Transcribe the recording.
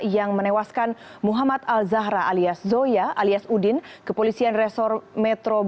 yang menewaskan muhammad al zahra alias zoya alias udin kepolisian resor metro beka